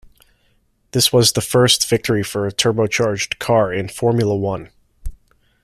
This was the first victory for a turbocharged car in Formula One.